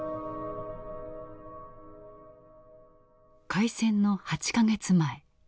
開戦の８か月前。